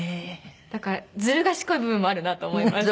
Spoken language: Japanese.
だからずる賢い部分もあるなと思います。